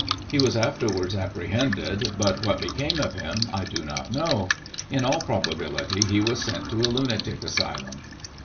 He was afterwards apprehended, but what became of him, I do not know ; in all probability he was sent to a lunatic asylum.